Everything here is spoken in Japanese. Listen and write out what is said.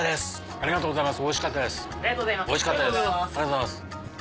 ありがとうございます。